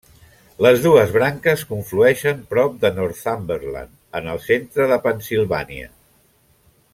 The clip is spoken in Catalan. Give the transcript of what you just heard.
Les dues branques conflueixen prop de Northumberland, en el centre de Pennsilvània.